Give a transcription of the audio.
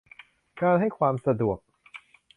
การให้ความสะดวก